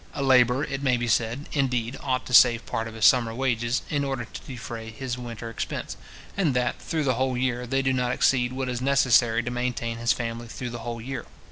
A labourer, it may be said, indeed, ought to save part of his summer wages, in order to defray his winter expense; and that, through the whole year, they do not exceed what is necessary to maintain his family through the whole year.